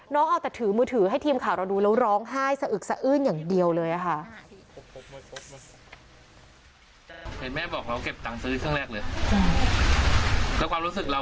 เอาแต่ถือมือถือให้ทีมข่าวเราดูแล้วร้องไห้สะอึกสะอื้นอย่างเดียวเลยค่ะ